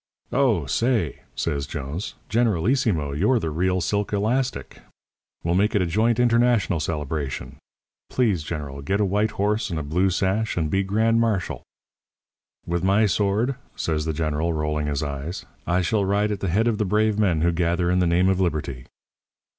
"'Oh, say!' says Jones, 'Generalissimo, you're the real silk elastic. We'll make it a joint international celebration. Please, General, get a white horse and a blue sash and be grand marshal.' "'With my sword,' says the General, rolling his eyes. 'I shall ride at the head of the brave men who gather in the name of Liberty.'